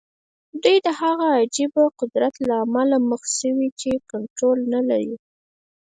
دوی د هغه عجيبه قدرت له امله مخ شوي چې کنټرول نه لري.